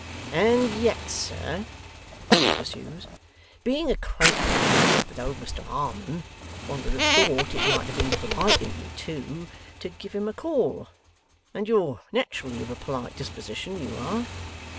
'And yet, sir,' he pursues, 'being acquainted with old Mr Harmon, one would have thought it might have been polite in you, too, to give him a call. And you're naturally of a polite disposition, you are.